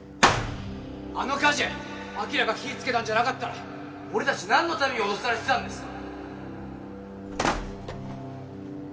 あの火事晶が火つけたんじゃなかったら俺たちなんのために脅されてたんですか？